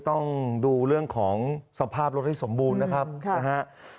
ต้องดูเรื่องของสภาพรถให้สมบูรณ์นะครับนะฮะ